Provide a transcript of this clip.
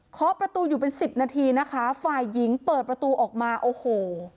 ขอประตูอยู่เป็นสิบนาทีนะคะฝ่ายหญิงเปิดประตูออกมาโอ้โห